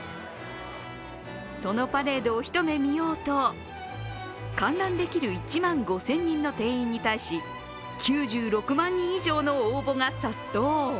そのパレードを一目見ようと、観覧できる１万５０００人の定員に対し、９６万人以上の応募が殺到。